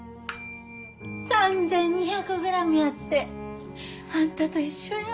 ３，２００グラムやってあんたと一緒やわ。